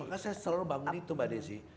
maka saya selalu bangun itu mbak desi